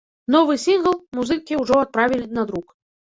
Новы сінгл музыкі ўжо адправілі на друк.